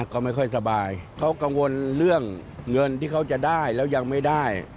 เขาไม่ค่อยสบายเขากังวลเรื่องเงินที่เขาจะได้แล้วยังไม่ได้